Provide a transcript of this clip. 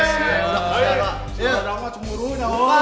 sudah lama cemurunya woi